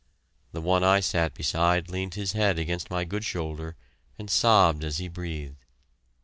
The one I sat beside leaned his head against my good shoulder and sobbed as he breathed.